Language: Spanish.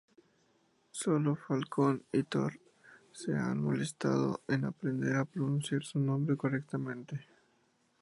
Solo Falcon y Thor se han molestado en aprender a pronunciar su nombre correctamente.